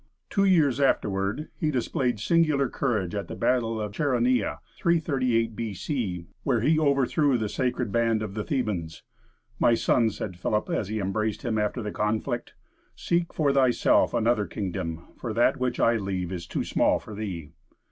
Two years afterward, he displayed singular courage at the battle of Chæronea (338 B.C.), where he overthrew the Sacred Band of the Thebans. "My son," said Philip, as he embraced him after the conflict, "seek for thyself another kingdom, for that which I leave is too small for thee."